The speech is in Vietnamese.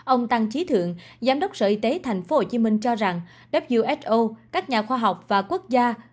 ông tăng trí thượng giám đốc sở y tế tp hcm cho rằng who các nhà khoa học và quốc gia